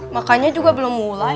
makannya juga belum mulai